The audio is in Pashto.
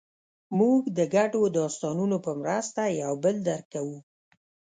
موږ د ګډو داستانونو په مرسته یو بل درک کوو.